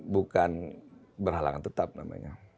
bukan berhalangan tetap namanya